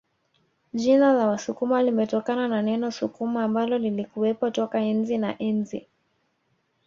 Jina la Wasukuma limetokana na neno Sukuma ambalo lilikuwepo toka enzi na enzi